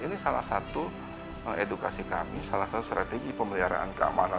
ini salah satu edukasi kami salah satu strategi pemeliharaan keamanan